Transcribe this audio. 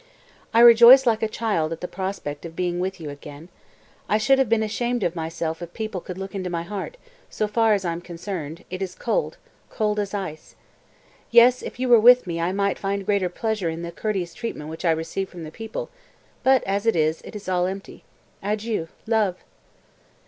219. "I rejoice like a child at the prospect of being with you again. I should have to be ashamed of myself if people could look into my heart; so far as I am concerned it is cold, cold as ice. Yes, if you were with me I might find greater pleasure in the courteous treatment which I receive from the people; but as it is, it is all empty. Adieu! Love!"